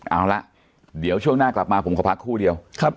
เอาละเดี๋ยวช่วงหน้ากลับมาผมขอพักคู่เดียว